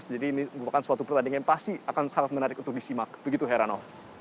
jadi ini bukan suatu pertandingan yang pasti akan sangat menarik untuk disimak begitu herano